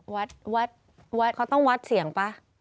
วัดวัดเขาต้องวัดเสียงป่ะ